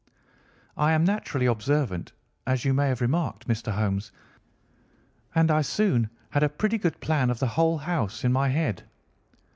"I am naturally observant, as you may have remarked, Mr. Holmes, and I soon had a pretty good plan of the whole house in my head.